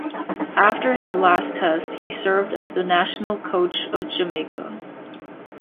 After his last Test, he served as the national coach of Jamaica.